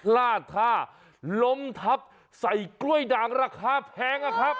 ลาดท่าล้มทับใส่กล้วยด่างราคาแพงอะครับ